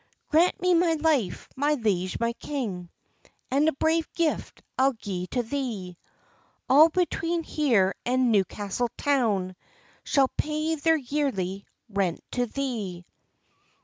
"Grant me my life, my liege, my king! And a brave gift I'll gi'e to thee: All between here and Newcastle town Shall pay their yearly rent to thee."